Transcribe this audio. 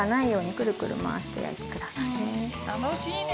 楽しいね。